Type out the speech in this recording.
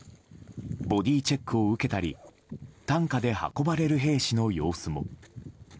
ボディーチェックを受けたり担架で運ばれる兵士の様子も。